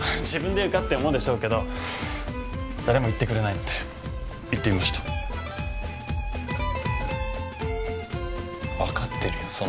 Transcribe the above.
自分で言うかって思うでしょうけど誰も言ってくれないので言ってみました分かってるよ